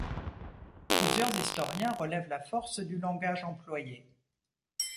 Plusieurs historiens relèvent la force du langage employé.